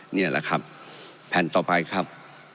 นี่แหละครับแผ่นต่อไปครับ